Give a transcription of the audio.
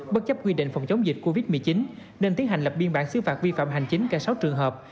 bất chấp quy định phòng chống dịch covid một mươi chín nên tiến hành lập biên bản xứ phạt vi phạm hành chính cả sáu trường hợp